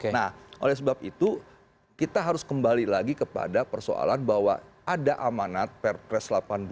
nah oleh sebab itu kita harus kembali lagi kepada persoalan bahwa ada amanat perpres delapan belas